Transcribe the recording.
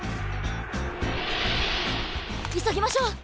いそぎましょう！